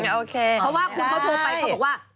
คือพี่ก็เขาโทรไปเค้าบอกว่าใช่